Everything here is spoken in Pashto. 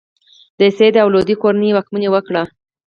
د سید او لودي کورنۍ واکمني وکړه.